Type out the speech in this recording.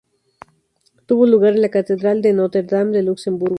Tuvo lugar en la Catedral de Notre-Dame de Luxemburgo.